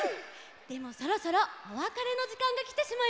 でもそろそろおわかれのじかんがきてしまいました。